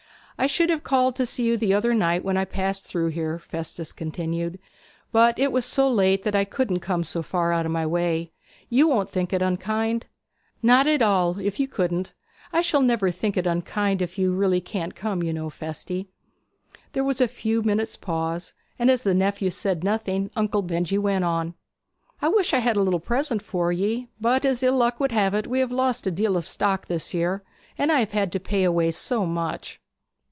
'I should have called to see you the other night when I passed through here,' Festus continued; 'but it was so late that I couldn't come so far out of my way. You won't think it unkind?' 'Not at all, if you couldn't. I never shall think it unkind if you really can't come, you know, Festy.' There was a few minutes' pause, and as the nephew said nothing Uncle Benjy went on: 'I wish I had a little present for ye. But as ill luck would have it we have lost a deal of stock this year, and I have had to pay away so much.'